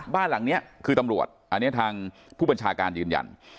บ้านหลังนี้คือตำรวจอันนี้ทางผู้บัญชาการยืนยัน